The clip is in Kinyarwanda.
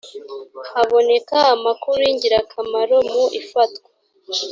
haboneka amakuru y ingirakamaro mu ifatwa